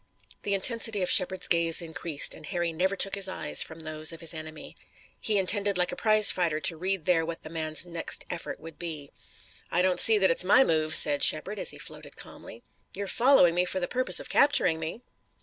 The intensity of Shepard's gaze increased, and Harry never took his eyes from those of his enemy. He intended like a prize fighter to read there what the man's next effort would be. "I don't see that it's my move," said Shepard, as he floated calmly. "You're following me for the purpose of capturing me."